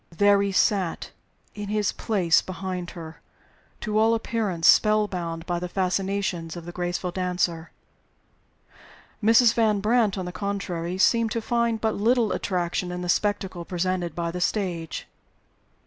There he sat, in his place behind her, to all appearance spell bound by the fascinations of the graceful dancer. Mrs. Van Brandt, on the contrary, seemed to find but little attraction in the spectacle presented by the stage.